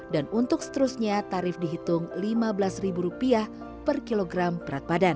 dan untuk seterusnya tarif dihitung lima belas ribu rupiah per kilogram berat badan